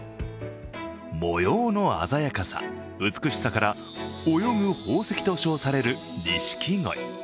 模様の鮮やかさ、美しさから泳ぐ宝石と称される錦鯉。